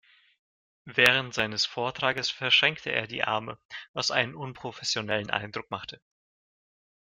Während seines Vortrages verschränkte er die Arme, was einen unprofessionellen Eindruck machte.